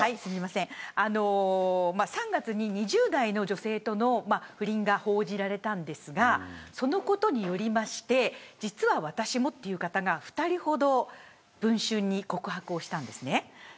３月に２０代の女性との不倫が報じられたんですがそのことによりまして実は私も、という方が２人ほど文春に告白をしたんですね。